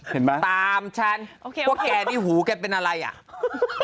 เห็นไหมตามฉันพวกแกที่หูแกเป็นอะไรอ่ะทุกคนคิดไหม